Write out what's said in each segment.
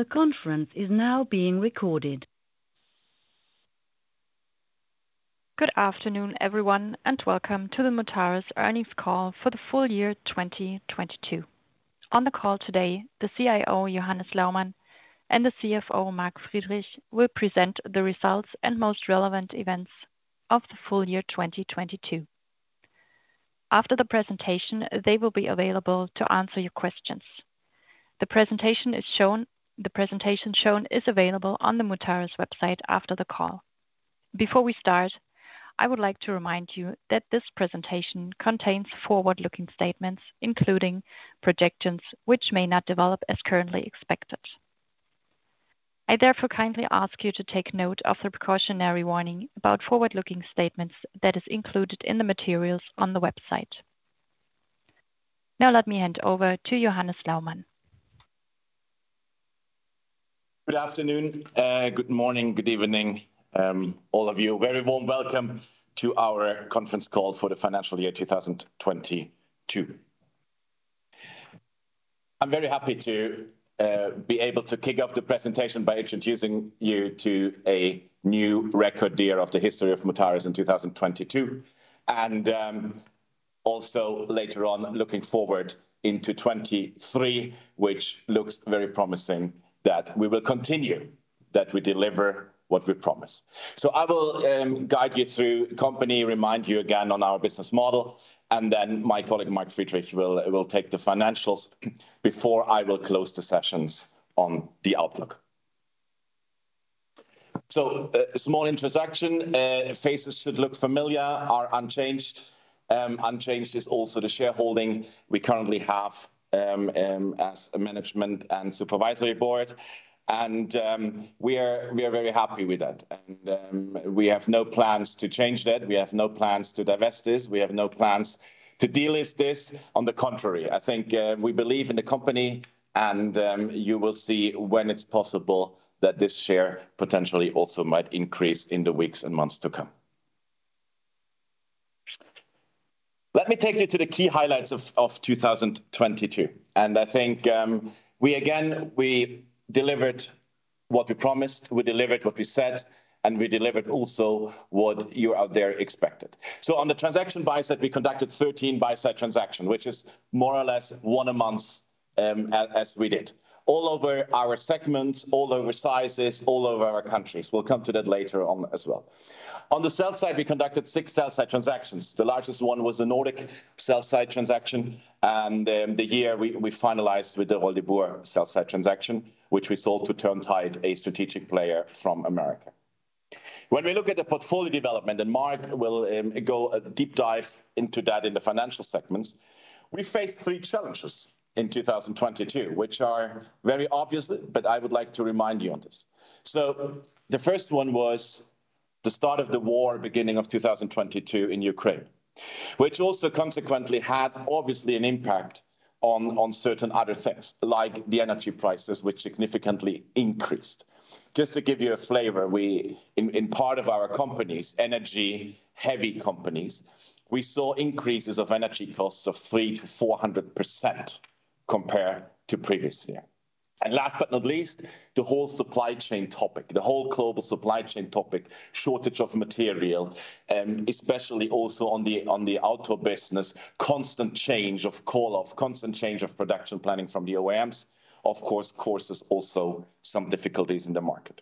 The conference is now being recorded. Good afternoon, everyone, and welcome to the Mutares Earnings Call for the full year 2022. On the call today, the CIO, Johannes Laumann, and the CFO, Mark Friedrich, will present the results and most relevant events of the full year 2022. After the presentation, they will be available to answer your questions. The presentation shown is available on the Mutares website after the call. Before we start, I would like to remind you that this presentation contains forward-looking statements, including projections which may not develop as currently expected. I therefore kindly ask you to take note of the precautionary warning about forward-looking statements that is included in the materials on the website. Let me hand over to Johannes Laumann. Good afternoon, good morning, good evening, all of you. Very warm welcome to our conference call for the financial year 2022. I'm very happy to be able to kick off the presentation by introducing you to a new record year of the history of Mutares in 2022. Also later on looking forward into 2023, which looks very promising that we will continue, that we deliver what we promise. I will guide you through company, remind you again on our business model, and then my colleague, Mark Friedrich, will take the financials before I will close the sessions on the outlook. A small introduction. Faces should look familiar, are unchanged. Unchanged is also the shareholding we currently have as a management and supervisory board. We are very happy with that. We have no plans to change that. We have no plans to divest this. We have no plans to delist this. On the contrary, I think, we believe in the company, and you will see when it's possible that this share potentially also might increase in the weeks and months to come. Let me take you to the key highlights of 2022. I think, we delivered what we promised, we delivered what we said, and we delivered also what you out there expected. On the transaction buy-side, we conducted 13 buy-side transaction, which is more or less one a month, as we did. All over our segments, all over sizes, all over our countries. We'll come to that later on as well. On the sell-side, we conducted six sell-side transactions. The largest one was the Nordic sell-side transaction. The year we finalized with the Royal de Boer sell-side transaction, which we sold to Turntide Technologies, a strategic player from America. When we look at the portfolio development, and Mark Friedrich will go a deep dive into that in the financial segments, we faced three challenges in 2022, which are very obvious, but I would like to remind you on this. The first one was the start of the war, beginning of 2022 in Ukraine, which also consequently had obviously an impact on certain other things, like the energy prices, which significantly increased. Just to give you a flavor, in part of our company's energy-heavy companies, we saw increases of energy costs of 300%-400% compared to previous year. Last but not least, the whole supply chain topic, the whole global supply chain topic, shortage of material, especially also on the, on the auto business, constant change of call off, constant change of production planning from the OEMs, of course, causes also some difficulties in the market.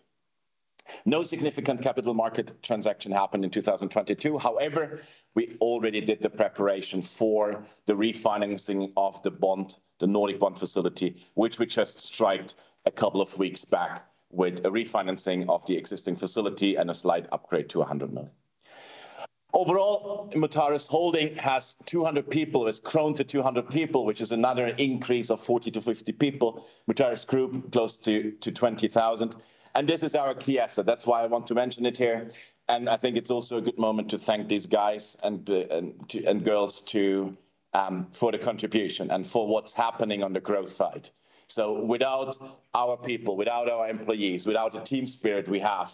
No significant capital market transaction happened in 2022. However, we already did the preparation for the refinancing of the bond, the Nordic bond facility, which we just striked a couple of weeks back with a refinancing of the existing facility and a slight upgrade to 100 million. Overall, Mutares Holding has 200 people. It's grown to 200 people, which is another increase of 40 to 50 people. Mutares Group, close to 20,000. This is our key asset. That's why I want to mention it here. I think it's also a good moment to thank these guys and and girls to for the contribution and for what's happening on the growth side. Without our people, without our employees, without the team spirit we have,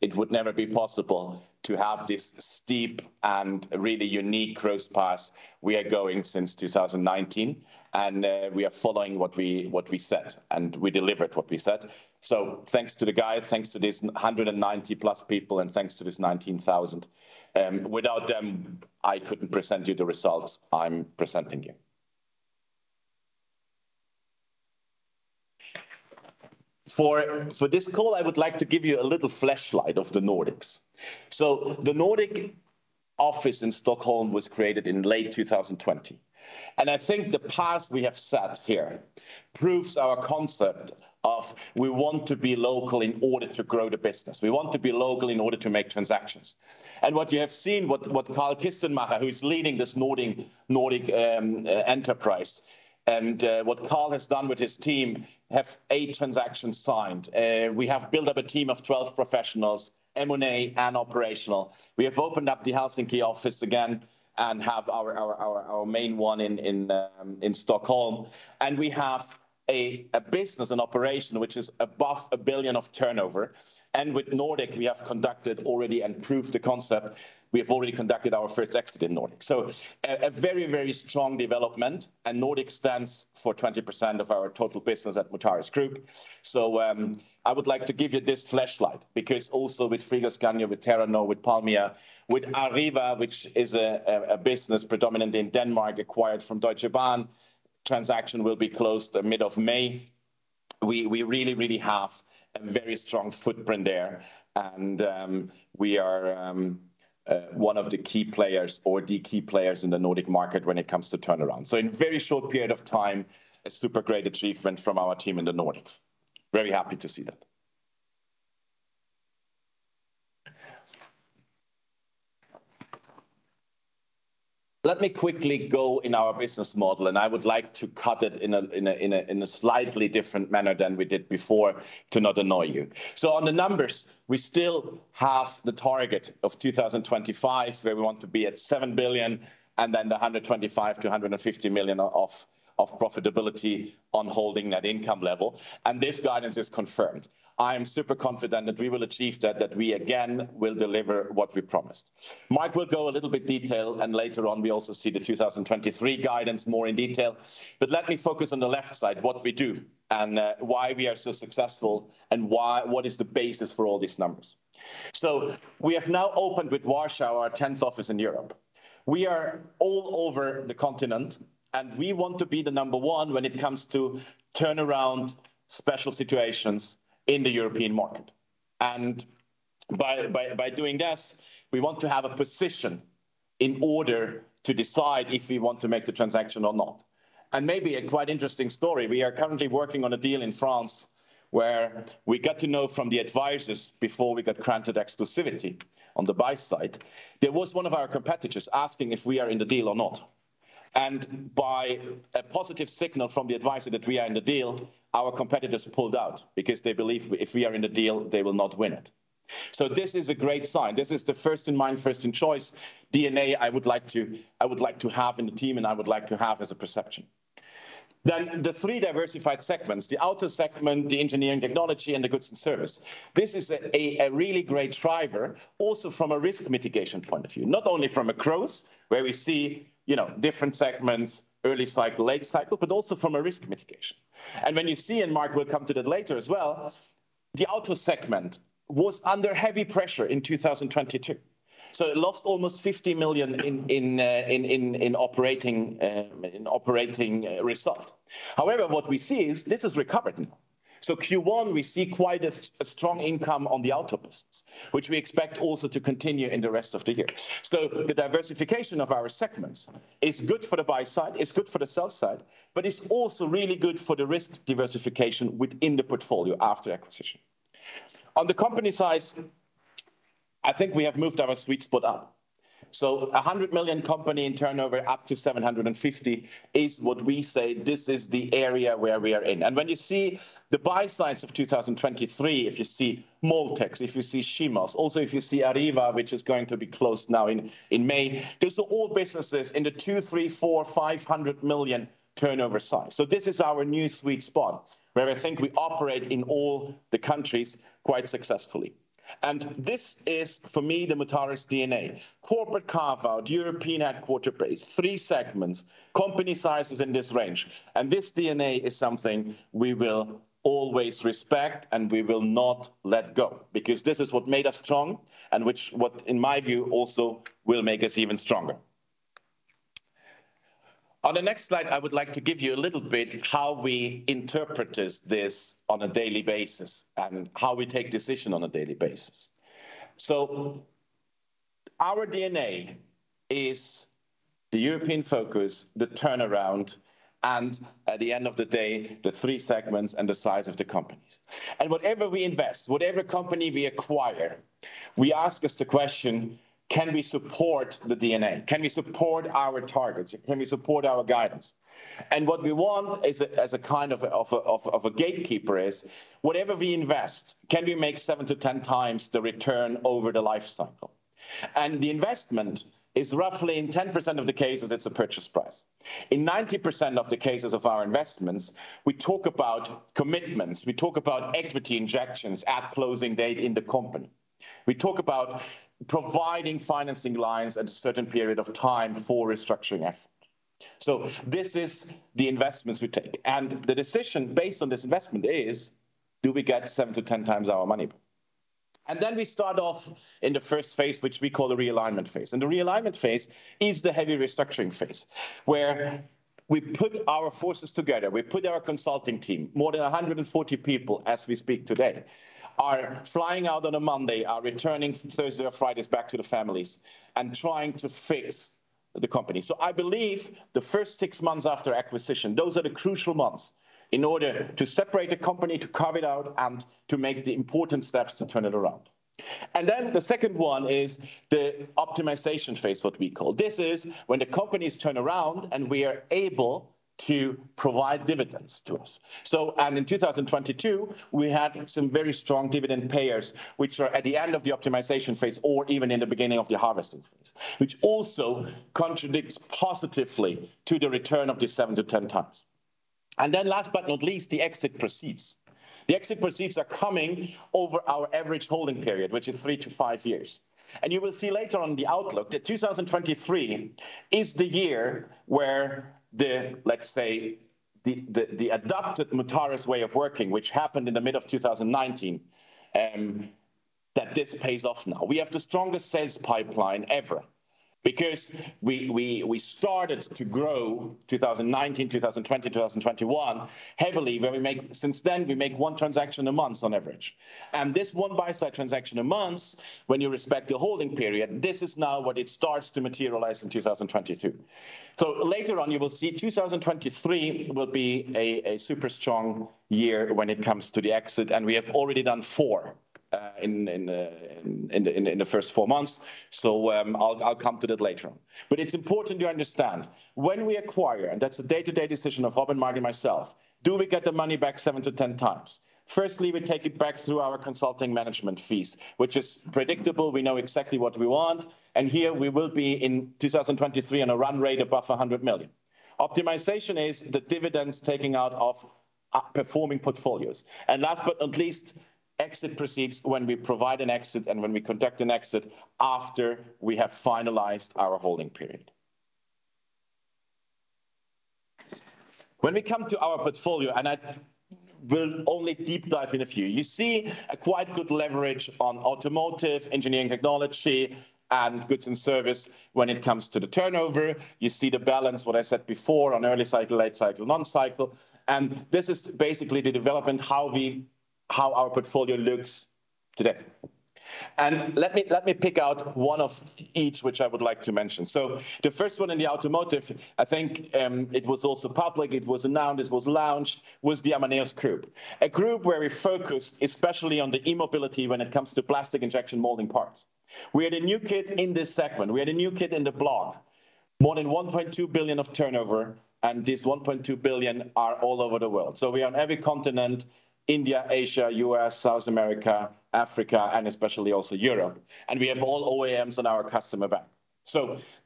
it would never be possible to have this steep and really unique growth path we are going since 2019. We are following what we, what we said, and we delivered what we said. Thanks to the guys, thanks to these 190+ people, and thanks to this 19,000. Without them, I couldn't present you the results I'm presenting you. For this call, I would like to give you a little flashlight of the Nordics. The Nordic office in Stockholm was created in late 2020. I think the path we have set here proves our concept of we want to be local in order to grow the business. We want to be local in order to make transactions. What you have seen, what Carl Kistenmacher, who's leading this Nordic enterprise, and what Carl has done with his team, have eight transactions signed. We have built up a team of 12 professionals, M&A and operational. We have opened up the Helsinki office again and have our main one in Stockholm. We have a business and operation which is above 1 billion of turnover. With Nordic, we have conducted already and proved the concept. We have already conducted our first exit in Nordic. A very strong development, and Nordic stands for 20% of our total business at Mutares Group. I would like to give you this flashlight because also with Frigoscandia, with Terranor, with Palmia, with Arriva, which is a business predominant in Denmark acquired from Deutsche Bahn, transaction will be closed mid of May. We really have a very strong footprint there, and we are one of the key players or the key players in the Nordic market when it comes to turnaround. In a very short period of time, a super great achievement from our team in the Nordics. Very happy to see that. Let me quickly go in our business model, and I would like to cut it in a slightly different manner than we did before to not annoy you. On the numbers, we still have the target of 2025, where we want to be at 7 billion and then the 125 million-150 million of profitability on holding that income level, and this guidance is confirmed. I am super confident that we will achieve that we again will deliver what we promised. Mark will go a little bit detail, and later on we also see the 2023 guidance more in detail. Let me focus on the left side, what we do and why we are so successful and why what is the basis for all these numbers. We have now opened with Warsaw our 10th office in Europe. We are all over the continent, and we want to be the number one when it comes to turnaround special situations in the European market. By doing this, we want to have a position in order to decide if we want to make the transaction or not. Maybe a quite interesting story, we are currently working on a deal in France where we got to know from the advisors before we got granted exclusivity on the buy side. There was one of our competitors asking if we are in the deal or not. By a positive signal from the advisor that we are in the deal, our competitors pulled out because they believe if we are in the deal, they will not win it. This is a great sign. This is the first in mind, first in choice DNA I would like to have in the team, and I would like to have as a perception. The three diversified segments, the auto segment, the engineering technology, and the Goods & Services. This is a really great driver also from a risk mitigation point of view, not only from a growth where we see, you know, different segments, early cycle, late cycle, but also from a risk mitigation. When you see, and Mark will come to that later as well, the auto segment was under heavy pressure in 2022, so it lost almost 50 million in operating result. However, what we see is this has recovered now. Q1, we see quite a strong income on the auto business, which we expect also to continue in the rest of the year. The diversification of our segments is good for the buy side, it's good for the sell side, but it's also really good for the risk diversification within the portfolio after acquisition. On the company size, I think we have moved our sweet spot up. A 100 million company in turnover up to 750 million is what we say this is the area where we are in. When you see the buy sides of 2023, if you see MoldTecs, if you see [Shimads], also if you see Arriva, which is going to be closed now in May, those are all businesses in the 200 million, 300 million, 400 million, 500 million turnover size. This is our new sweet spot, where I think we operate in all the countries quite successfully. This is, for me, the Mutares DNA, corporate carve-out, European headquarter base, three segments, company sizes in this range. This DNA is something we will always respect, and we will not let go because this is what made us strong and which what, in my view, also will make us even stronger. On the next slide, I would like to give you a little bit how we interpret this on a daily basis and how we take decision on a daily basis. Our DNA is the European focus, the turnaround, and at the end of the day, the three segments and the size of the companies. Whatever we invest, whatever company we acquire, we ask us the question: Can we support the DNA? Can we support our targets? Can we support our guidance? What we want as a kind of a gatekeeper is whatever we invest, can we make 7x to 10x the return over the life cycle? The investment is roughly in 10% of the cases, it's a purchase price. In 90% of the cases of our investments, we talk about commitments. We talk about equity injections at closing date in the company. We talk about providing financing lines at a certain period of time for restructuring effort. This is the investments we take. The decision based on this investment is, do we get 7x to 10x our money? Then we start off in the first phase, which we call the realignment phase. The realignment phase is the heavy restructuring phase, where we put our forces together. We put our consulting team. More than 140 people as we speak today are flying out on a Monday, are returning Thursdays or Fridays back to the families, and trying to fix the company. I believe the first six months after acquisition, those are the crucial months in order to separate the company, to carve it out, and to make the important steps to turn it around. The second one is the optimization phase, what we call. This is when the companies turn around, and we are able to provide dividends to us. In 2022, we had some very strong dividend payers, which are at the end of the optimization phase or even in the beginning of the harvesting phase, which also contradicts positively to the return of the 7x to 10x. Last but not least, the exit proceeds. The exit proceeds are coming over our average holding period, which is three to five years. You will see later on the outlook that 2023 is the year where the, let's say, the adopted Mutares way of working, which happened in the mid of 2019, That this pays off now. We have the strongest sales pipeline ever because we started to grow 2019, 2020, 2021 heavily. Since then, we make one transaction a month on average. This one buy-side transaction a month, when you respect the holding period, this is now what it starts to materialize in 2022. Later on you will see 2023 will be a super strong year when it comes to the exit. We have already done four in the first four months. I'll come to that later on. It's important to understand when we acquire, and that's a day-to-day decision of Robin and myself, do we get the money back 7x to 10x? Firstly, we take it back through our consulting management fees, which is predictable. We know exactly what we want, and here we will be in 2023 on a run rate above 100 million. Optimization is the dividends taking out of outperforming portfolios. Last but not least, exit proceeds when we provide an exit and when we conduct an exit after we have finalized our holding period. When we come to our portfolio, and I will only deep dive in a few, you see a quite good leverage on automotive, engineering technology, and goods and service when it comes to the turnover. You see the balance, what I said before, on early cycle, late cycle, non-cycle. This is basically the development, how our portfolio looks today. Let me pick out one of each, which I would like to mention. The first one in the automotive, I think, it was also public, it was announced, it was launched, was the Amaneos Group, a group where we focused especially on the e-mobility when it comes to plastic injection molding parts. We are the new kid in this segment. We are the new kid in the block. More than 1.2 billion of turnover. This 1.2 billion are all over the world. We are on every continent: India, Asia, U.S., South America, Africa, and especially also Europe. We have all OEMs on our customer bank.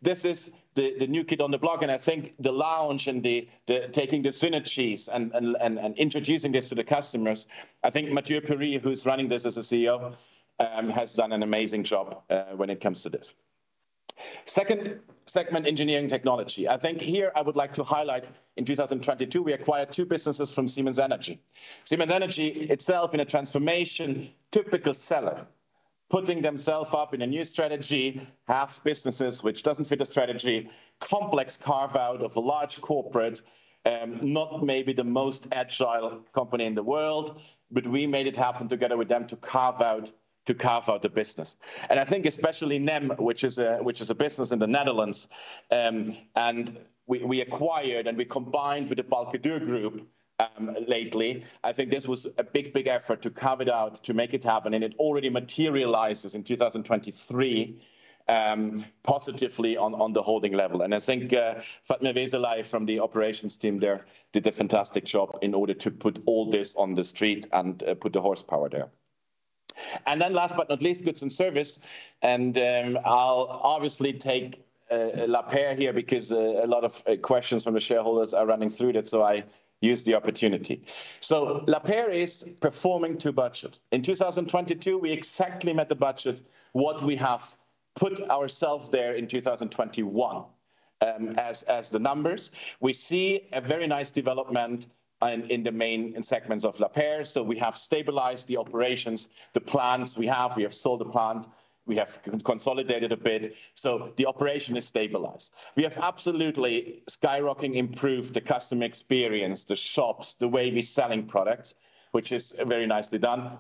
This is the new kid on the block, and I think the launch and the taking the synergies and introducing this to the customers, I think Mathieu Purrey, who's running this as a CEO, has done an amazing job when it comes to this. Second segment, engineering technology. I think here I would like to highlight in 2022, we acquired two businesses from Siemens Energy. Siemens Energy itself in a transformation, typical seller, putting themselves up in a new strategy, have businesses which doesn't fit the strategy, complex carve-out of a large corporate, not maybe the most agile company in the world, but we made it happen together with them to carve out the business. I think especially NEM, which is a business in the Netherlands, and we acquired and we combined with the Balcke-Dürr Group, lately. I think this was a big, big effort to carve it out, to make it happen, and it already materializes in 2023, positively on the holding level. I think, Fatma Veselaj from the operations team there did a fantastic job in order to put all this on the street and, put the horsepower there. Last but not least, goods and service. I'll obviously take Lapeyre here because a lot of questions from the shareholders are running through that, so I use the opportunity. Lapeyre is performing to budget. In 2022, we exactly met the budget what we have put ourselves there in 2021, as the numbers. We see a very nice development in the main segments of Lapeyre. We have stabilized the operations, the plants we have. We have sold the plant. We have consolidated a bit. The operation is stabilized. We have absolutely skyrocketing improved the customer experience, the shops, the way we're selling products, which is very nicely done.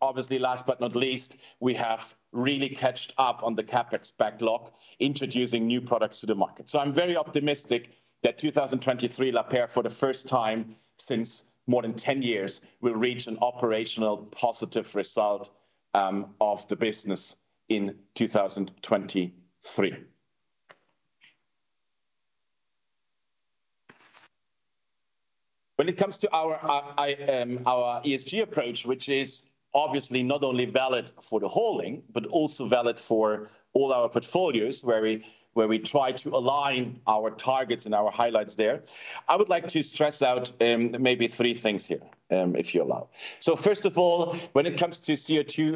Obviously, last but not least, we have really catched up on the CapEx backlog, introducing new products to the market. I'm very optimistic that 2023 Lapeyre, for the first time since more than 10 years, will reach an operational positive result of the business in 2023. When it comes to our ESG approach, which is obviously not only valid for the holding, but also valid for all our portfolios where we try to align our targets and our highlights there, I would like to stress out maybe three things here, if you allow. First of all, when it comes to CO2,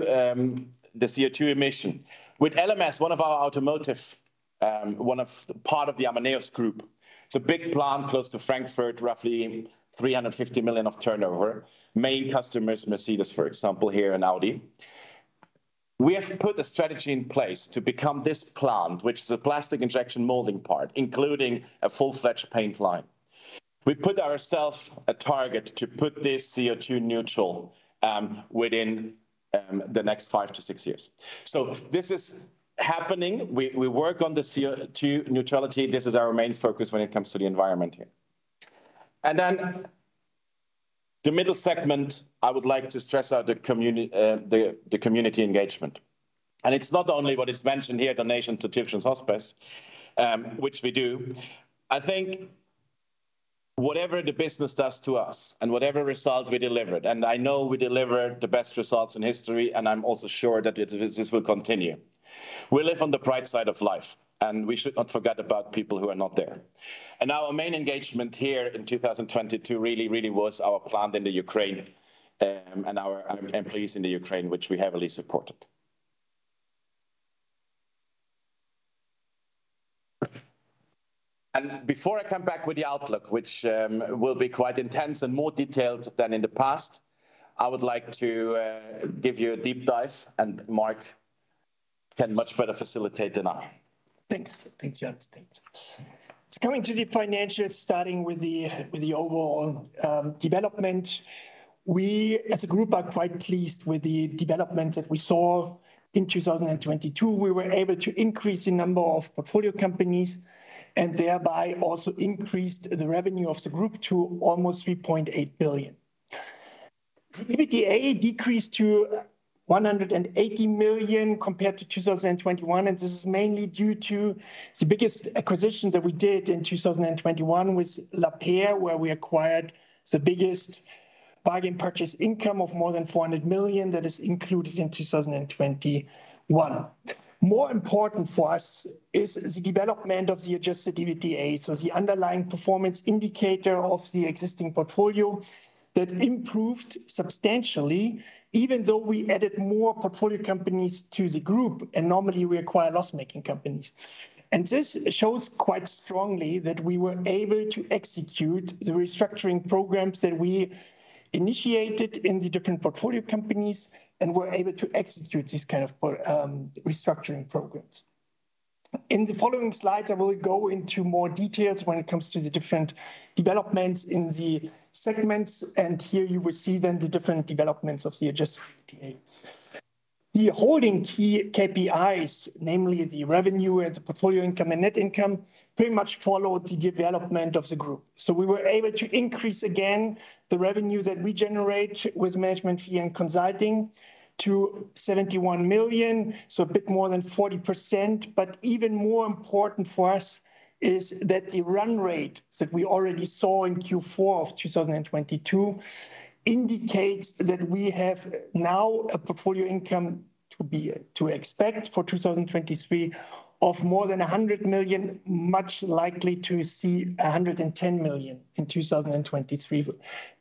the CO2 emission, with LMS, one of our automotive part of the Amaneos Group. It's a big plant close to Frankfurt, roughly 350 million of turnover. Main customers, Mercedes, for example, here, and Audi. We have put a strategy in place to become this plant, which is a plastic injection molding part, including a full-fledged paint line. We put ourself a target to put this CO2 neutral within the next five to six years. This is happening. We work on the CO2 neutrality. This is our main focus when it comes to the environment here. The middle segment, I would like to stress out the community engagement. It's not only what it's mentioned here, donation to Tiptree Hospice, which we do. I think whatever the business does to us and whatever result we delivered, and I know we delivered the best results in history, and I'm also sure that this will continue. We live on the bright side of life, and we should not forget about people who are not there. Our main engagement here in 2022 really was our plant in the Ukraine, and our employees in the Ukraine, which we heavily supported. Before I come back with the outlook, which will be quite intense and more detailed than in the past, I would like to give you a deep dive, and Mark can much better facilitate than I. Thanks. Thanks, Johannes. Thanks. Coming to the financials, starting with the overall development. We as a group are quite pleased with the development that we saw in 2022. We were able to increase the number of portfolio companies and thereby also increased the revenue of the group to almost 3.8 billion. The EBITDA decreased to 180 million compared to 2021, and this is mainly due to the biggest acquisition that we did in 2021 with Lapeyre, where we acquired the biggest bargain purchase gain of more than 400 million that is included in 2021. More important for us is the development of the adjusted EBITDA, so the underlying performance indicator of the existing portfolio that improved substantially even though we added more portfolio companies to the group, and normally we acquire loss-making companies. This shows quite strongly that we were able to execute the restructuring programs that we initiated in the different portfolio companies and were able to execute these kind of restructuring programs. In the following slides, I will go into more details when it comes to the different developments in the segments, and here you will see then the different developments of the adjusted EBITDA. The holding key KPIs, namely the revenue and the portfolio income and net income, pretty much followed the development of the group. We were able to increase again the revenue that we generate with management fee and consulting to 71 million, a bit more than 40%. Even more important for us is that the run rate that we already saw in Q4 of 2022 indicates that we have now a portfolio income to expect for 2023 of more than 100 million, much likely to see 110 million in 2023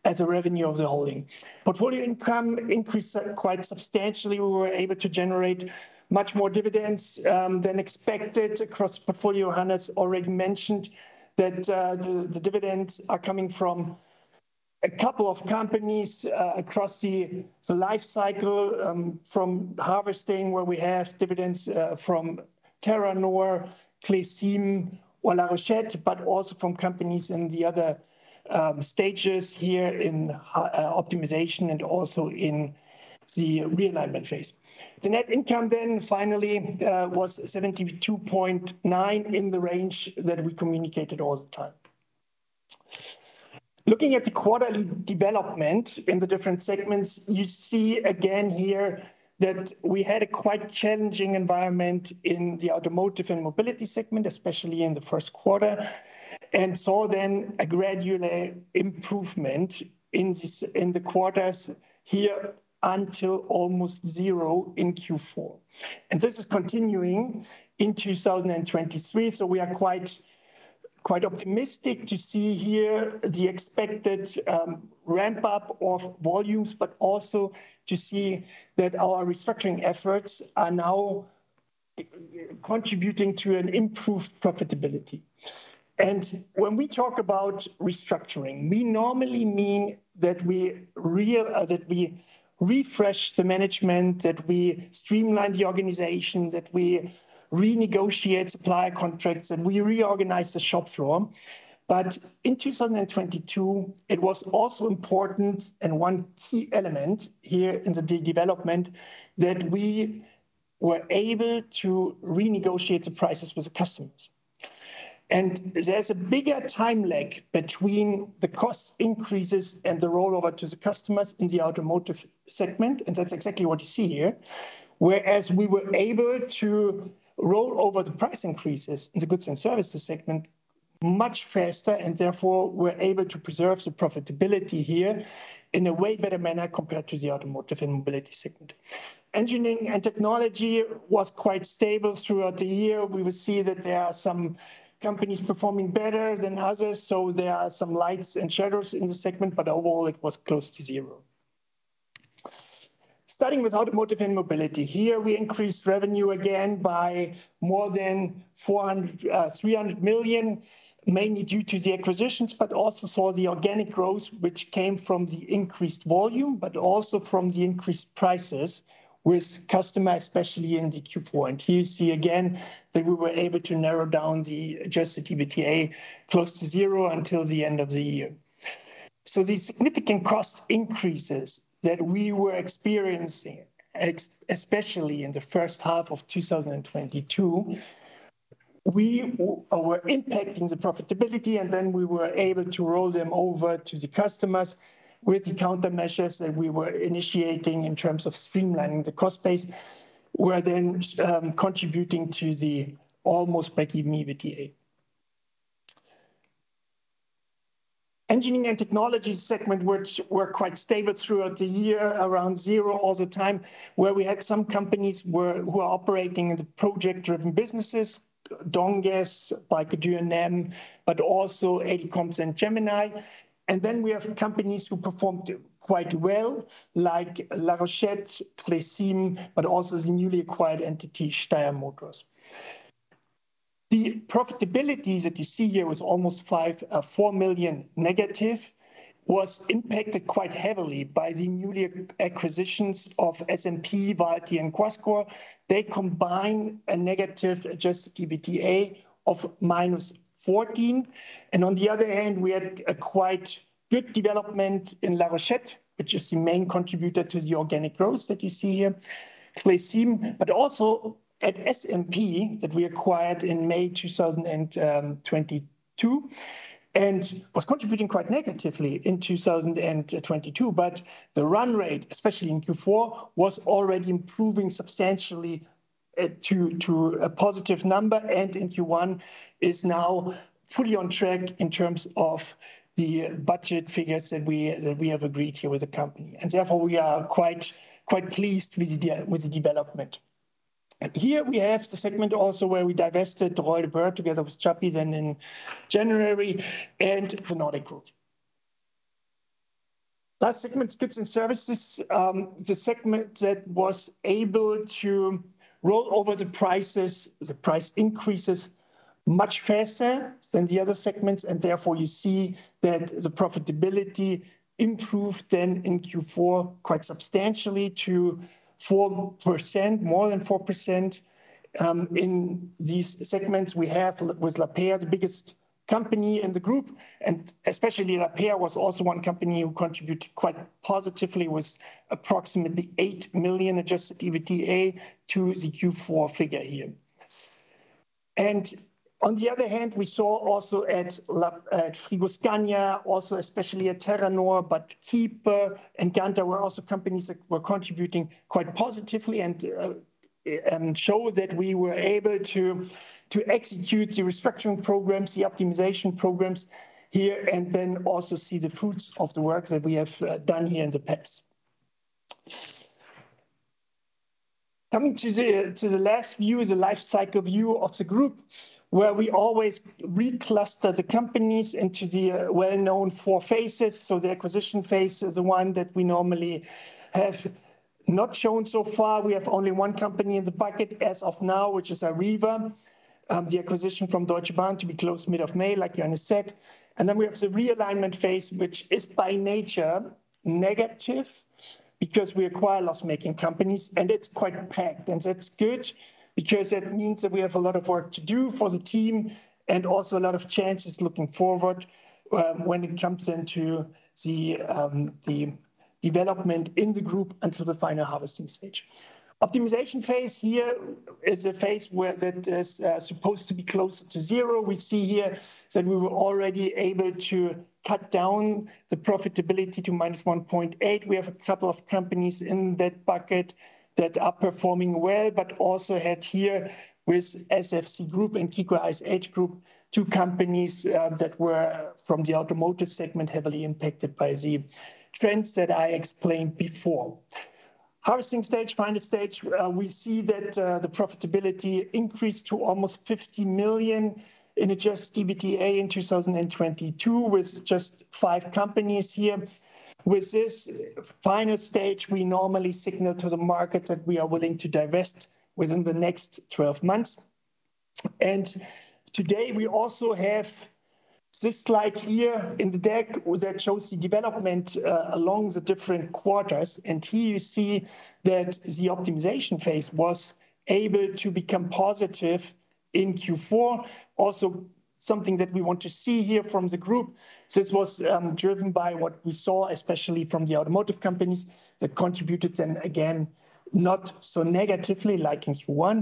as a revenue of the holding. Portfolio income increased quite substantially. We were able to generate much more dividends than expected across the portfolio. Hannes already mentioned that the dividends are coming from a couple of companies across the life cycle, from harvesting, where we have dividends from Terranor, Clecim, or La Rochette, but also from companies in the other stages here in optimization and also in the realignment phase. The net income finally was 72.9 in the range that we communicated all the time. Looking at the quarterly development in the different segments, you see again here that we had a quite challenging environment in the Automotive and Mobility segment, especially in the first quarter, and saw a gradual improvement in this, in the quarters here until almost zero in Q4. This is continuing in 2023, so we are quite optimistic to see here the expected ramp-up of volumes, but also to see that our restructuring efforts are now contributing to an improved profitability. When we talk about restructuring, we normally mean that we refresh the management, that we streamline the organization, that we renegotiate supply contracts, and we reorganize the shop floor. In 2022, it was also important and one key element here in the de-development that we were able to renegotiate the prices with the customers. There's a bigger time lag between the cost increases and the rollover to the customers in the Automotive segment, and that's exactly what you see here. We were able to roll over the price increases in the Goods and Services segment much faster, therefore were able to preserve the profitability here in a way better manner compared to the Automotive and Mobility segment. Engineering and Technology was quite stable throughout the year. We will see that there are some companies performing better than others, there are some lights and shadows in the segment, overall it was close to zero. Starting with Automotive and Mobility. Here we increased revenue again by more than 300 million, mainly due to the acquisitions, also saw the organic growth which came from the increased volume, also from the increased prices with customers, especially in the Q4. Here you see again that we were able to narrow down the adjusted EBITDA close to zero until the end of the year. The significant cost increases that we were experiencing especially in the first half of 2022, we were impacting the profitability, and then we were able to roll them over to the customers with the countermeasures that we were initiating in terms of streamlining the cost base. Contributing to the almost break-even EBITDA. Engineering and Technology segment, which were quite stable throughout the year, around zero all the time, where we had some companies were operating in the project-driven businesses, Donges, by Rothemühle, but also ADComms and Gemini. We have companies who performed quite well, like La Rochette, Clecim, but also the newly acquired entity, Steyr Motors. The profitability that you see here was almost 4 million negative, was impacted quite heavily by the newly acquisitions of SMP by [TN CrossCo]. They combine a negative adjusted EBITDA of minus 14. On the other hand, we had a quite good development in La Rochette, which is the main contributor to the organic growth that you see here. It may seem. Also at SMP that we acquired in May 2022, and was contributing quite negatively in 2022. The run rate, especially in Q4, was already improving substantially to a positive number, and in Q1 is now fully on track in terms of the budget figures that we have agreed here with the company. Therefore we are quite pleased with the development. Here we have the segment also where we divested the Royal de Boer together with Japy Tech then in January and the Nordec Group. Last segment, goods and services, the segment that was able to roll over the prices, the price increases much faster than the other segments. Therefore you see that the profitability improved then in Q4 quite substantially to 4%, more than 4%. In these segments we have with Lapeyre, the biggest company in the group, especially Lapeyre was also one company who contributed quite positively with approximately 8 million adjusted EBITDA to the Q4 figure here. On the other hand, we saw also at Frigoscandia, also especially at Terranor, but HIEP and Ganter were also companies that were contributing quite positively and show that we were able to execute the restructuring programs, the optimization programs here. Then also see the fruits of the work that we have done here in the past. Coming to the last view is the life cycle view of the group, where we always recluster the companies into the well-known four phases. The acquisition phase is the one that we normally have not shown so far. We have only one company in the bucket as of now, which is Arriva, the acquisition from Deutsche Bahn to be closed mid of May, like Johannes said. Then we have the realignment phase, which is by nature negative because we acquire loss-making companies, and it's quite packed. That's good because it means that we have a lot of work to do for the team and also a lot of chances looking forward, when it jumps into the development in the group and to the final harvesting stage. Optimization phase here is a phase that is supposed to be close to zero. We see here that we were already able to cut down the profitability to minus 1.8. We have a couple of companies in that bucket that are performing well, but also had here with SFC Group and KICO SH Group, two companies that were from the automotive segment, heavily impacted by the trends that I explained before. Harvesting stage, final stage, we see that the profitability increased to almost 50 million in adjusted EBITDA in 2022 with just five companies here. With this final stage, we normally signal to the market that we are willing to divest within the next 12 months. Today we also have this slide here in the deck that shows the development along the different quarters. Here you see that the optimization phase was able to become positive in Q4. Something that we want to see here from the group. This was driven by what we saw, especially from the automotive companies that contributed then again, not so negatively like in Q1.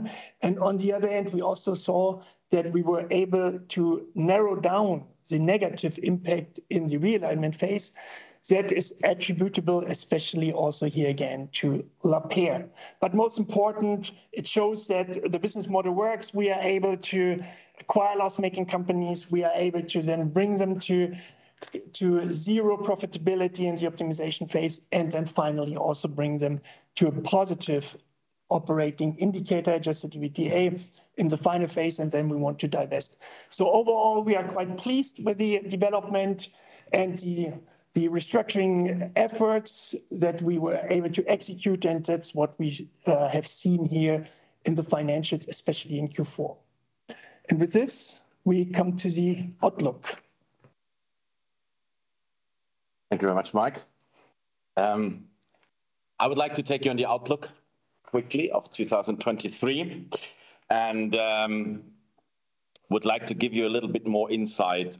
On the other hand, we also saw that we were able to narrow down the negative impact in the realignment phase that is attributable, especially also here again to Lapeyre. Most important, it shows that the business model works. We are able to acquire loss-making companies. We are able to then bring them to zero profitability in the optimization phase, and then finally also bring them to a positive operating indicator, adjusted EBITDA, in the final phase, and then we want to divest. Overall, we are quite pleased with the development and the restructuring efforts that we were able to execute, and that's what we have seen here in the financials, especially in Q4. With this, we come to the outlook. Thank you very much, Mark. I would like to take you on the outlook quickly of 2023. Would like to give you a little bit more insight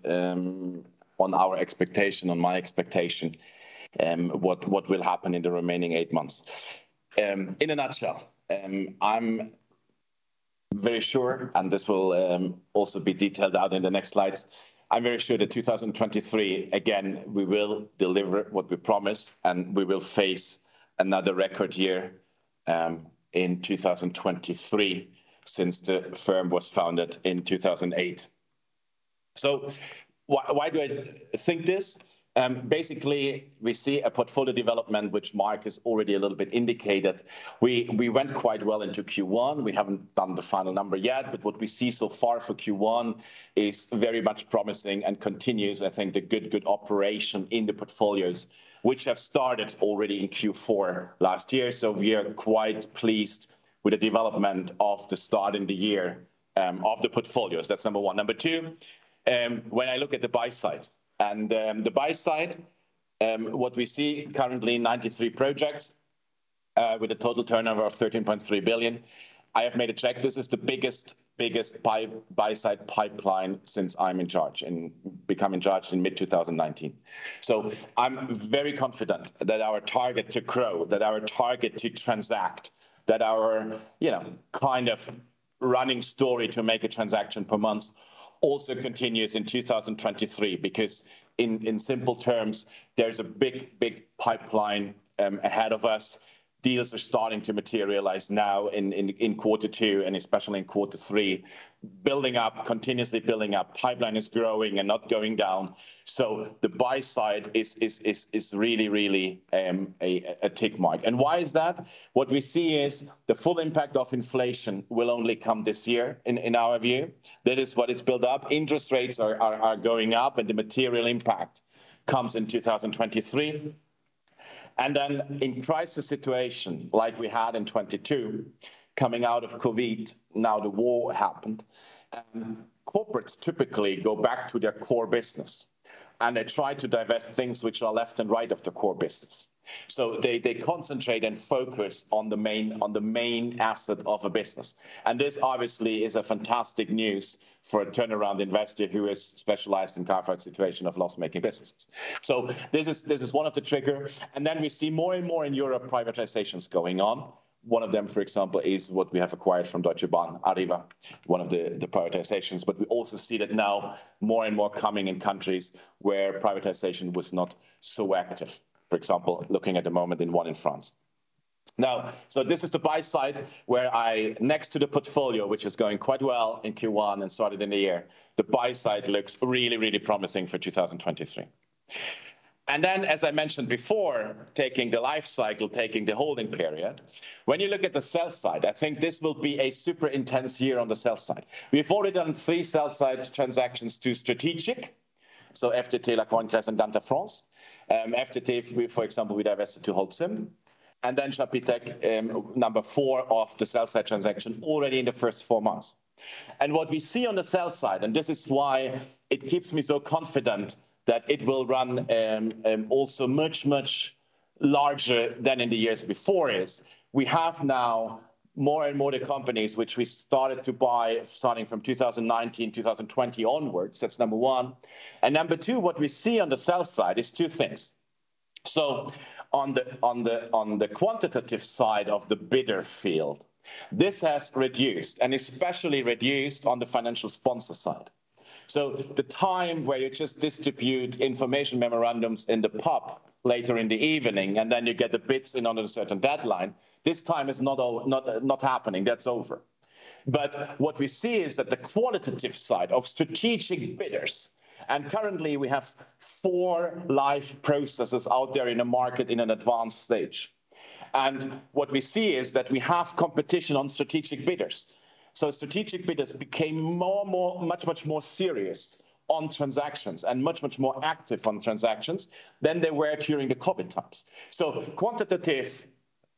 on our expectation, on my expectation, what will happen in the remaining eight months. In a nutshell, I'm very sure, and this will also be detailed out in the next slides. I'm very sure that 2023, again, we will deliver what we promised, and we will face another record year in 2023 since the firm was founded in 2008. Why do I think this? Basically, we see a portfolio development which Mark has already a little bit indicated. We went quite well into Q1. We haven't done the final number yet, what we see so far for Q1 is very much promising and continues, I think, the good operation in the portfolios, which have started already in Q4 last year. We are quite pleased with the development of the start in the year of the portfolios. That's number one. Number two, when I look at the buy side, the buy side, what we see currently 93 projects with a total turnover of 13.3 billion. I have made a check. This is the biggest buy side pipeline since I'm in charge and becoming charged in mid 2019. I'm very confident that our target to grow, that our target to transact, that our, you know, kind of running story to make a transaction per month also continues in 2023 because in simple terms, there's a big, big pipeline ahead of us. Deals are starting to materialize now in Q2 and especially in Q3, building up, continuously building up. Pipeline is growing and not going down. The buy side is really, really, a tick mark. Why is that? What we see is the full impact of inflation will only come this year in our view. That is what is built up. Interest rates are going up and the material impact comes in 2023. In crisis situation like we had in 2022, coming out of COVID, now the war happened, corporates typically go back to their core business and they try to divest things which are left and right of the core business. They concentrate and focus on the main asset of a business. This obviously is fantastic news for a turnaround investor who is specialized in carve-out situation of loss-making businesses. This is one of the trigger. We see more and more in Europe privatizations going on. One of them, for example, is what we have acquired from Deutsche Bahn, Arriva, one of the privatizations. We also see that now more and more coming in countries where privatization was not so active. For example, looking at the moment in one in France. This is the buy side where I next to the portfolio, which is going quite well in Q1 and started in the year. The buy side looks really, really promising for 2023. As I mentioned before, taking the life cycle, taking the holding period, when you look at the sell side, I think this will be a super intense year on the sell side. We've already done three sell side transactions to strategic. FT, La Rochette, and Ganter France. FT, for example, we divested to Holcim, and then Chapitre, number four of the sell side transaction already in the first four months. What we see on the sell side, and this is why it keeps me so confident that it will run also much, much larger than in the years before is we have now more and more the companies which we started to buy starting from 2019, 2020 onwards. That's number one. Number two, what we see on the sell side is two things. On the quantitative side of the bidder field, this has reduced and especially reduced on the financial sponsor side. The time where you just distribute information memorandums in the pub later in the evening, and then you get the bids in on a certain deadline, this time is not happening. That's over. What we see is that the qualitative side of strategic bidders, and currently we have four live processes out there in the market in an advanced stage. What we see is that we have competition on strategic bidders. Strategic bidders became more and more, much, much more serious on transactions and much, much more active on transactions than they were during the COVID times. Quantitative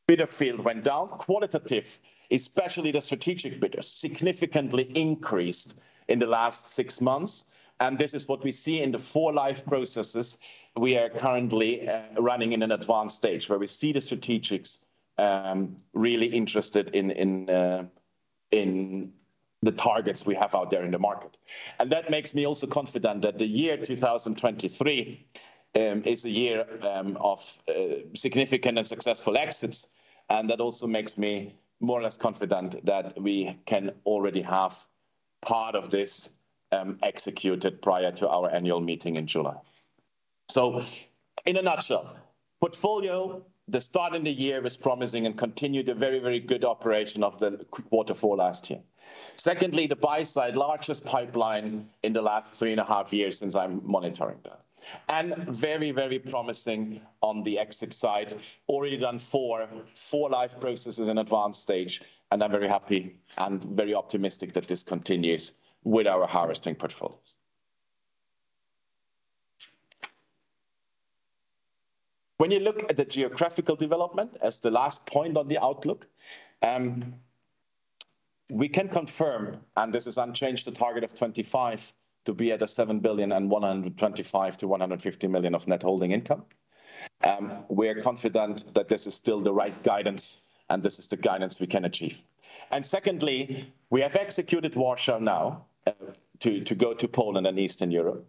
bidder field went down. Qualitative, especially the strategic bidders, significantly increased in the last six months, and this is what we see in the four live processes we are currently running in an advanced stage where we see the strategics really interested in the targets we have out there in the market. That makes me also confident that the year 2023 is a year of significant and successful exits. That also makes me more or less confident that we can already have part of this executed prior to our annual meeting in July. In a nutshell, portfolio, the start in the year was promising and continued a very, very good operation of the quarter four last year. Secondly, the buy side, largest pipeline in the last 3.5 years since I'm monitoring that. Very, very promising on the exit side. Already done four live processes in advanced stage, and I'm very happy and very optimistic that this continues with our harvesting portfolios. When you look at the geographical development as the last point on the outlook, we can confirm, and this is unchanged, the target of 2025 to be at a 7 billion and 125 million-150 million of net holding income. We are confident that this is still the right guidance and this is the guidance we can achieve. Secondly, we have executed Warsaw now, to go to Poland and Eastern Europe.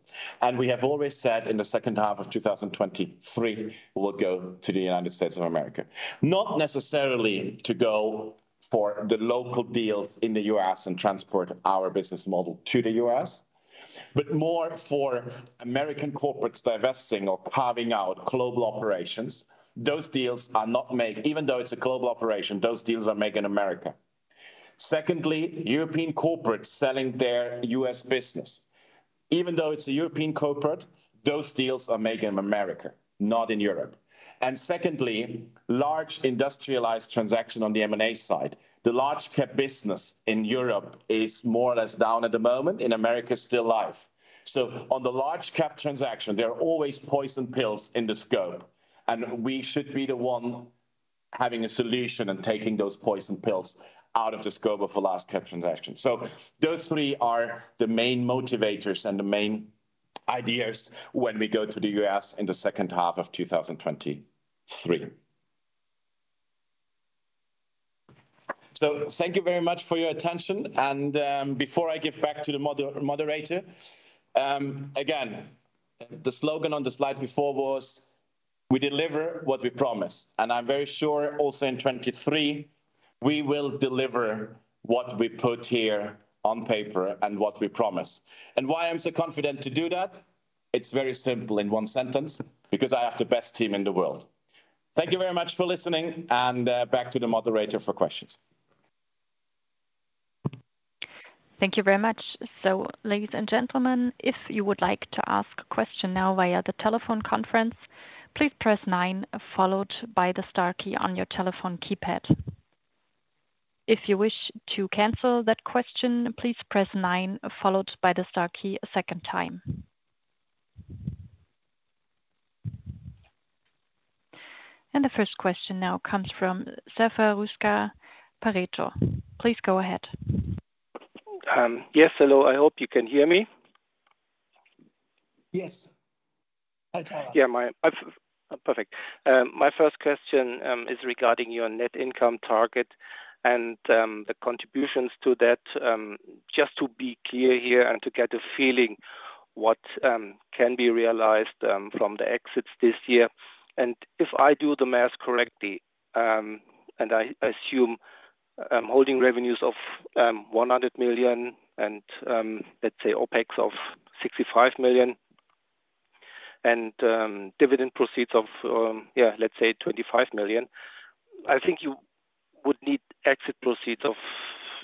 We have always said in the second half of 2023, we'll go to the United States of America. Not necessarily to go for the local deals in the U.S. and transport our business model to the U.S., but more for American corporates divesting or carving out global operations. Those deals are not made. Even though it's a global operation, those deals are made in America. Secondly, European corporates selling their U.S. business. Even though it's a European corporate, those deals are made in America, not in Europe. Secondly, large industrialized transaction on the M&A side. The large cap business in Europe is more or less down at the moment. In America, still live. On the large cap transaction, there are always poison pills in the scope, and we should be the one having a solution and taking those poison pills out of the scope of the last Cap transaction. Those three are the main motivators and the main ideas when we go to the U.S. in the second half of 2023. Thank you very much for your attention and, before I give back to the moderator, again, the slogan on the slide before was: we deliver what we promise. I'm very sure also in 23 we will deliver what we put here on paper and what we promise. Why I'm so confident to do that? It's very simple in one sentence: because I have the best team in the world. Thank you very much for listening and, back to the moderator for questions. Thank you very much. Ladies and gentlemen, if you would like to ask a question now via the telephone conference, please press nine followed by the star key on your telephone keypad. If you wish to cancel that question, please press nine followed by the star key a second time. The first question now comes from Zafer Rüzgar, Pareto. Please go ahead. Yes, hello, I hope you can hear me. Yes. Hi, Zafer. Yeah, Perfect. My first question is regarding your net income target and the contributions to that. Just to be clear here and to get a feeling what can be realized from the exits this year. If I do the math correctly, and I assume holding revenues of 100 million and, let's say, OpEx of 65 million and dividend proceeds of, yeah, let's say 25 million. I think you would need exit proceeds of,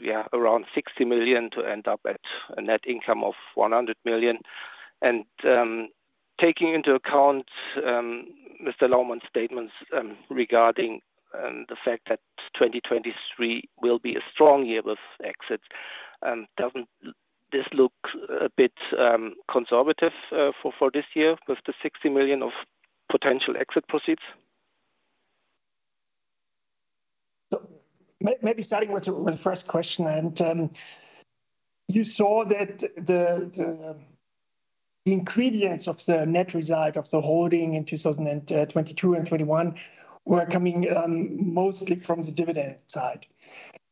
yeah, around 60 million to end up at a net income of 100 million. Taking into account Mr. Laumann's statements regarding the fact that 2023 will be a strong year with exits, doesn't this look a bit conservative for this year with the 60 million of potential exit proceeds? Maybe starting with the, with the first question. You saw that the, the ingredients of the net result of the holding in 2022 and 2021 were coming mostly from the dividend side.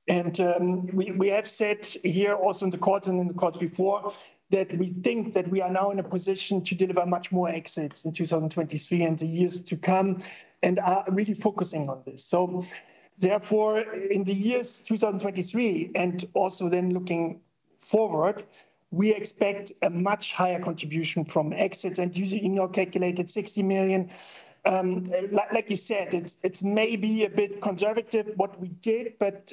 We have said here also in the quarter and in the quarters before that we think that we are now in a position to deliver much more exits in 2023 and the years to come, and are really focusing on this. Therefore, in the years 2023 and also then looking forward, we expect a much higher contribution from exits. Using your calculated 60 million, like you said, it's maybe a bit conservative what we did, but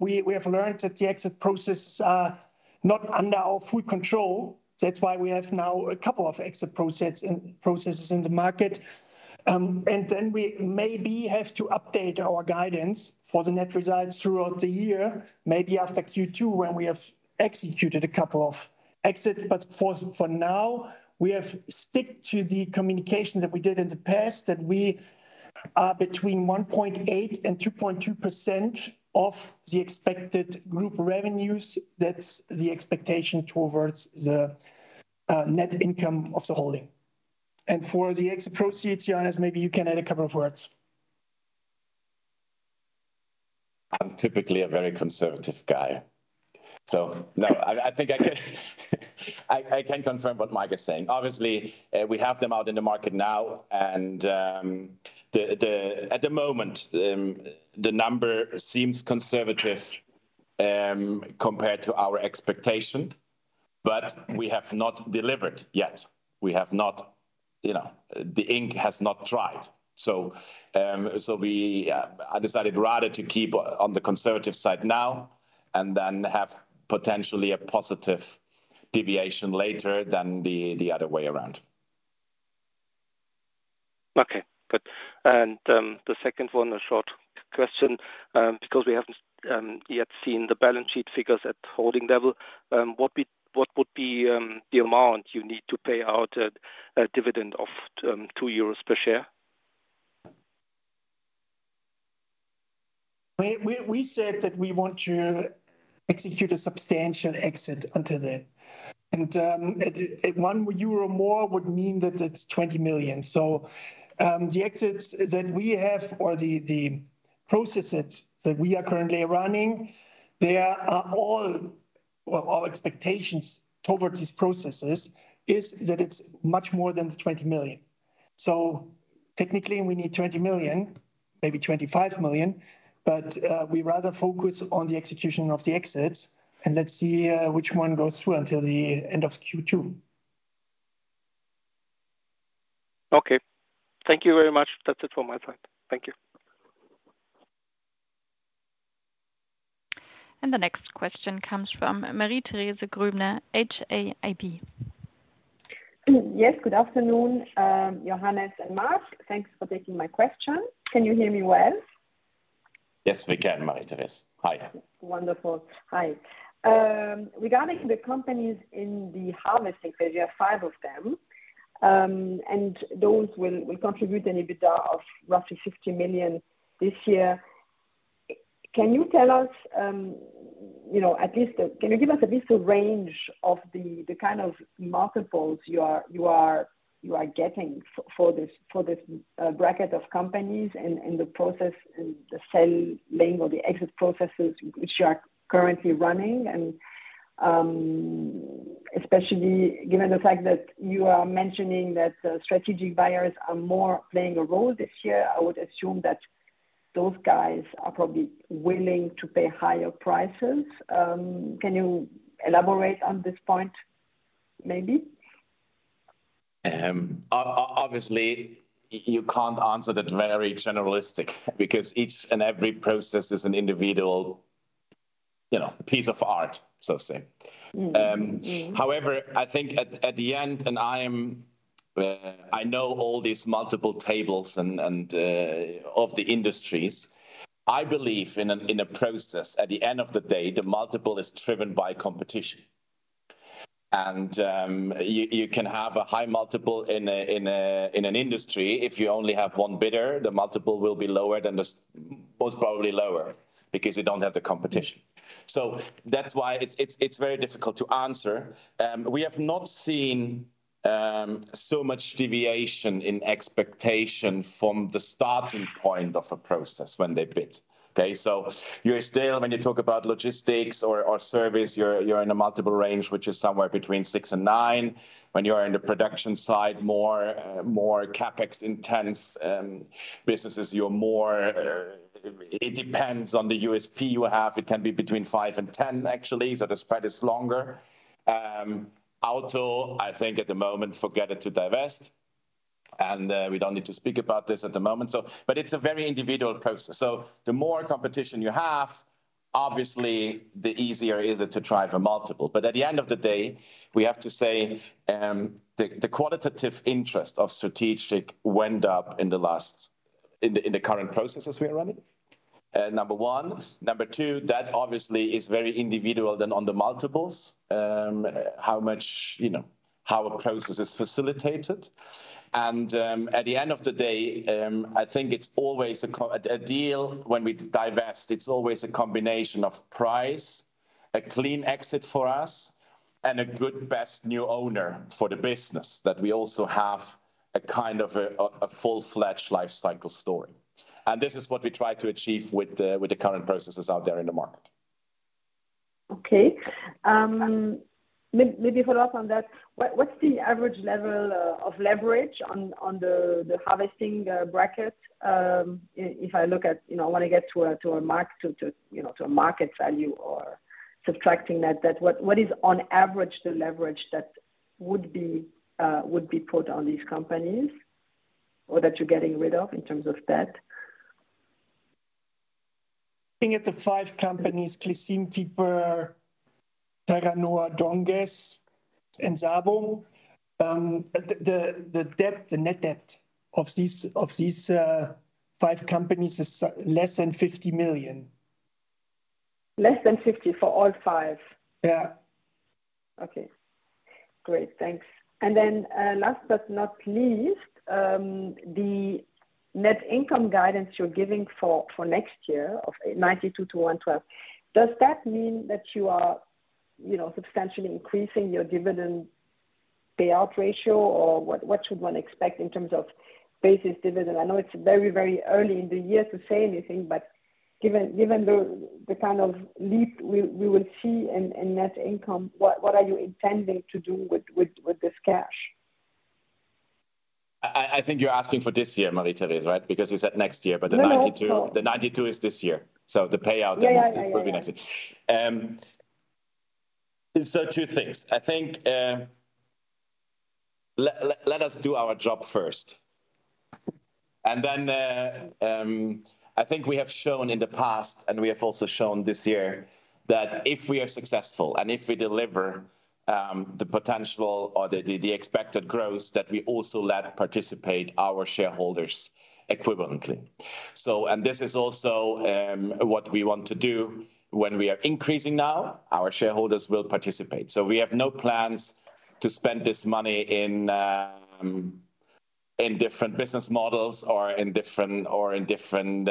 we have learned that the exit process are not under our full control. That's why we have now a couple of exit processes in the market. We maybe have to update our guidance for the net results throughout the year, maybe after Q2 when we have executed a couple of exits. For now, we have sticked to the communication that we did in the past, that we are between 1.8% and 2.2% of the expected group revenues. That's the expectation towards the net income of the holding. For the exit proceeds, Johannes, maybe you can add a couple of words. I'm typically a very conservative guy. No, I think I can confirm what Mark is saying. Obviously, we have them out in the market now, and at the moment, the number seems conservative compared to our expectation. We have not delivered yet. We have not. You know, the ink has not dried. We decided rather to keep on the conservative side now and then have potentially a positive deviation later than the other way around. Okay, good. The second one, a short question, because we haven't yet seen the balance sheet figures at holding level. What would be the amount you need to pay out a dividend of 2 euros per share? We said that we want to execute a substantial exit until then. 1 euro more would mean that it's 20 million. The exits that we have or the processes that we are currently running, well, our expectations towards these processes is that it's much more than 20 million. Technically we need 20 million, maybe 25 million, but we rather focus on the execution of the exits and let's see which one goes through until the end of Q2. Okay. Thank you very much. That's it from my side. Thank you. The next question comes from Marie-Thérèse Grübner, HAIB. Yes. Good afternoon, Johannes and Mark. Thanks for taking my question. Can you hear me well? Yes, we can, Marie-Thérèse. Yes. Hi. Wonderful. Hi. Regarding the companies in the harvesting phase, you have five of them, and those will contribute an EBITDA of roughly 50 million this year. Can you tell us, you know, at least, can you give us at least a range of the kind of multiples you are getting for this bracket of companies and the process and the selling or the exit processes which are currently running? Especially given the fact that you are mentioning that the strategic buyers are more playing a role this year, I would assume that those guys are probably willing to pay higher prices. Can you elaborate on this point, maybe? Obviously, you can't answer that very generalistic because each and every process is an individual, you know, piece of art, so to say. Mm-hmm. Mm-hmm. However, I think at the end, and I am, I know all these multiple tables of the industries. I believe in a process. At the end of the day, the multiple is driven by competition. You can have a high multiple in an industry. If you only have one bidder, the multiple will be most probably lower because you don't have the competition. That's why it's very difficult to answer. We have not seen so much deviation in expectation from the starting point of a process when they bid. Okay? You're still, when you talk about logistics or service, you're in a multiple range, which is somewhere between 6x and 9x. When you're in the production side, more, more CapEx intense businesses, you're more, it depends on the USP you have. It can be between five and 10, actually, so the spread is longer. Auto, I think at the moment forget it to divest, and we don't need to speak about this at the moment. But it's a very individual process. The more competition you have, obviously, the easier is it to drive a multiple. But at the end of the day, we have to say, the qualitative interest of strategic went up in the current processes we are running, number one. Number two, that obviously is very individual then on the multiples, how much, you know, how a process is facilitated. At the end of the day, I think it's always a deal when we divest, it's always a combination of price, a clean exit for us, and a good best new owner for the business, that we also have a kind of a full-fledged life cycle story. This is what we try to achieve with the current processes out there in the market. Okay. Maybe follow up on that. What's the average level of leverage on the harvesting bracket? If I look at, you know, when I get to a mark, to, you know, to a market value or subtracting that debt, what is on average the leverage that would be put on these companies or that you're getting rid of in terms of debt? Looking at the five companies, Clecim, KICO, Terranor, Donges Group and SABO, the debt, the net debt of these five companies is less than 50 million. Less than 50 for all five? Yeah. Okay. Great. Thanks. Last but not least, the net income guidance you're giving for next year of 92-112, does that mean that you are, you know, substantially increasing your dividend payout ratio? Or what should one expect in terms of basis dividend? I know it's very, very early in the year to say anything, but given the kind of leap we will see in net income, what are you intending to do with this cash? I think you're asking for this year, Marie-Thérèse, right? You said next year, but the 92. No, no. No. The 92 is this year. The payout. Yeah, yeah. Yeah Will be next year. Two things. I think let us do our job first. I think we have shown in the past, and we have also shown this year, that if we are successful and if we deliver the potential or the expected growth, that we also let participate our shareholders equivalently. This is also, what we want to do when we are increasing now, our shareholders will participate. We have no plans to spend this money in different business models or in different, or in different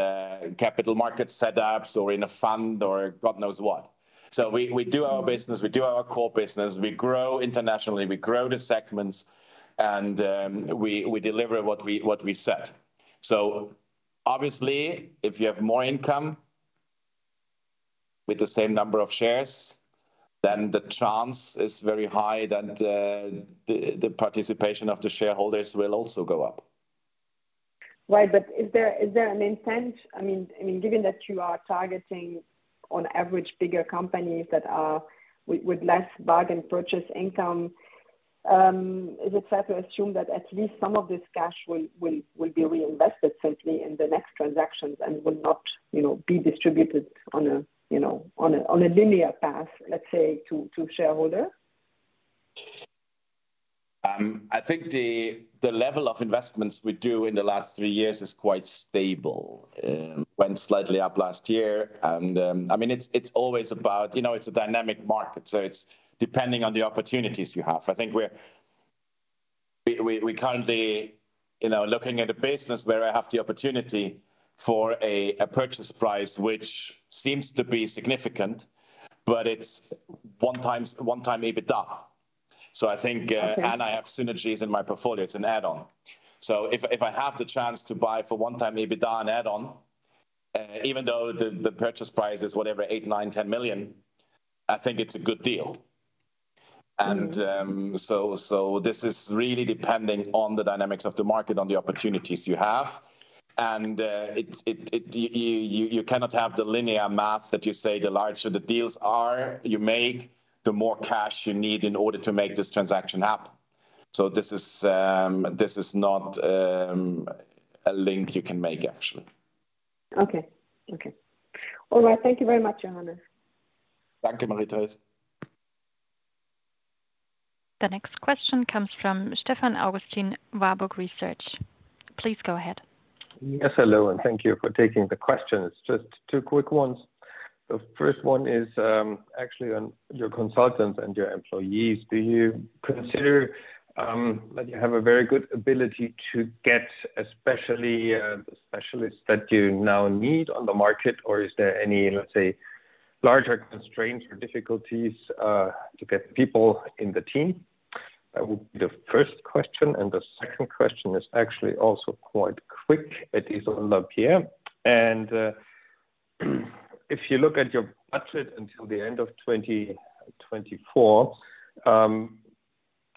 capital market setups or in a fund or God knows what. We do our business, we do our core business, we grow internationally, we grow the segments, and we deliver what we, what we set. Obviously, if you have more income with the same number of shares, then the chance is very high that the participation of the shareholders will also go up. Is there an intent? I mean, given that you are targeting on average bigger companies that are with less bargain purchase gain, is it fair to assume that at least some of this cash will be reinvested safely in the next transactions and will not, you know, be distributed on a, you know, on a linear path, let's say, to shareholders? I think the level of investments we do in the last three years is quite stable. went slightly up last year. I mean, it's always about, you know, it's a dynamic market, so it's depending on the opportunities you have. I think we're currently, you know, looking at a business where I have the opportunity for a purchase price which seems to be significant, but it's 1x EBITDA. Okay. I have synergies in my portfolio, it's an add-on. If I have the chance to buy for 1x EBITDA an add-on, even though the purchase price is whatever, 8 million, 9 million, 10 million, I think it's a good deal. Mm-hmm. This is really depending on the dynamics of the market, on the opportunities you have. You cannot have the linear math that you say the larger the deals are you make, the more cash you need in order to make this transaction happen. This is not a link you can make actually. Okay. Okay. All right. Thank you very much, Johannes. Thank you, Marie-Thérèse. The next question comes from Stefan Augustin, Warburg Research. Please go ahead. Yes. Hello, thank you for taking the questions. Just two quick ones. The first one is actually on your consultants and your employees. Do you consider that you have a very good ability to get, especially, the specialists that you now need on the market? Is there any, let's say, larger constraints or difficulties to get people in the team? That would be the first question. The second question is actually also quite quick. It is on Lapeyre. If you look at your budget until the end of 2024,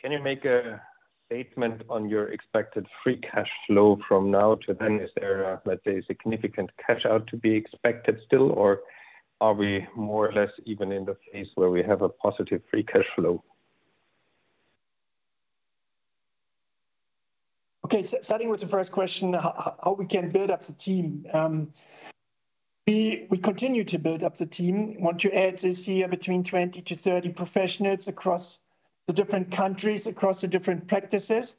can you make a statement on your expected free cash flow from now to then? Is there a, let's say, a significant cash out to be expected still or are we more or less even in the phase where we have a positive free cash flow? Okay. Starting with the first question, how we can build up the team. We continue to build up the team. Want to add this year between 20 to 30 professionals across the different countries, across the different practices.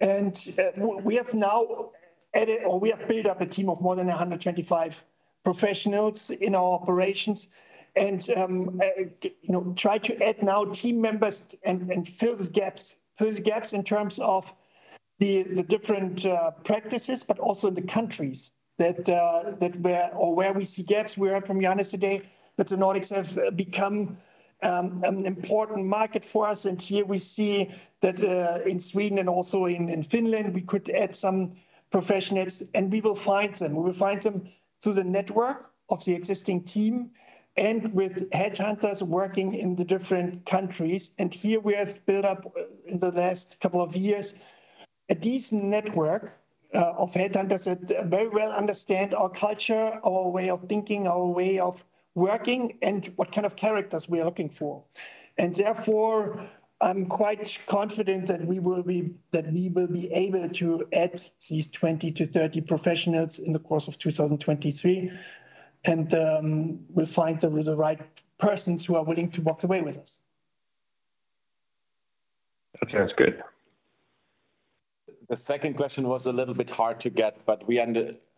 We have now added, or we have built up a team of more than 125 professionals in our operations and, you know, try to add now team members and fill these gaps. Fill these gaps in terms of the different practices, but also the countries that or where we see gaps. We heard from Johannes today that the Nordics have become an important market for us. Here we see that in Sweden and also in Finland, we could add some professionals, and we will find them. We will find them through the network of the existing team and with headhunters working in the different countries. Here we have built up, in the last couple of years, a decent network of headhunters that very well understand our culture, our way of thinking, our way of working, and what kind of characters we are looking for. Therefore, I'm quite confident that we will be able to add these 20 to 30 professionals in the course of 2023. We'll find the right persons who are willing to walk the way with us. Okay. That's good. The second question was a little bit hard to get, but we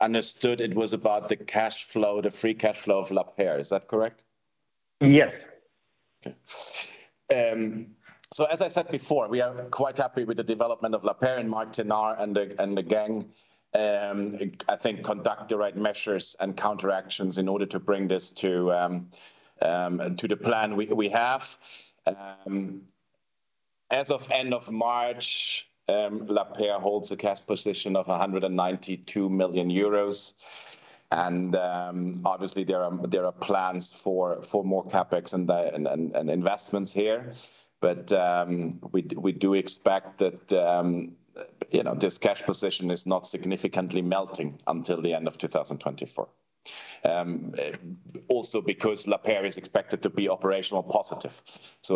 understood it was about the cash flow, the free cash flow of Lapeyre. Is that correct? Yes. Okay. As I said before, we are quite happy with the development of Lapeyre, and Marc Ténart and the gang, I think conduct the right measures and counteractions in order to bring this to the plan we have. As of end of March, Lapeyre holds a cash position of 192 million euros. Obviously there are plans for more CapEx and investments here. We do expect that, you know, this cash position is not significantly melting until the end of 2024. Also because Lapeyre is expected to be operational positive.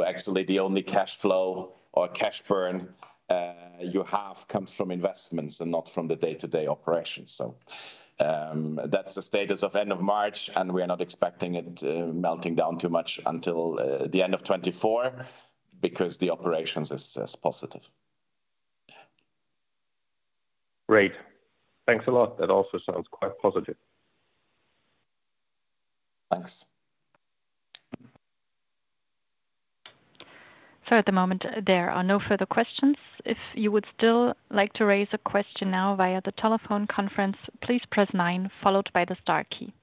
Actually the only cash flow or cash burn you have comes from investments and not from the day-to-day operations. That's the status of end of March, and we are not expecting it melting down too much until the end of 2024 because the operations is positive. Great. Thanks a lot. That also sounds quite positive. Thanks. At the moment, there are no further questions. If you would still like to raise a question now via the telephone conference, please press nine followed by the star key.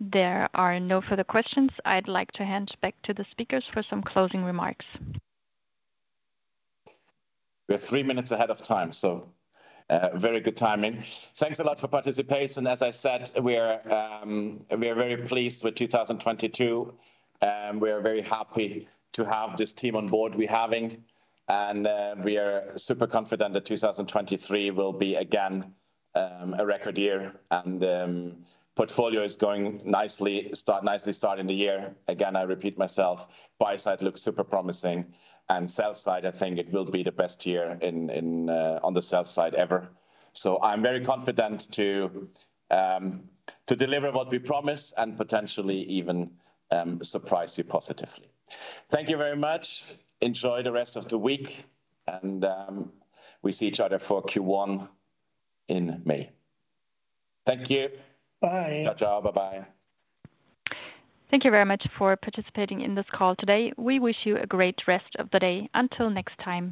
There are no further questions. I'd like to hand back to the speakers for some closing remarks. We're three minutes ahead of time, so, very good timing. Thanks a lot for participation. As I said, we are very pleased with 2022. We are very happy to have this team on board we're having. We are super confident that 2023 will be again, a record year. Portfolio is going nicely starting the year. Again, I repeat myself, buy side looks super promising, and sell side, I think it will be the best year in, on the sell side ever. I'm very confident to deliver what we promise and potentially even, surprise you positively. Thank you very much. Enjoy the rest of the week. We see each other for Q1 in May. Thank you. Bye. Ciao ciao. Bye-bye. Thank you very much for participating in this call today. We wish you a great rest of the day. Until next time.